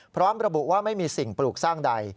พร้อมระบุว่าไม่มีสิ่งปลูกสร้างใด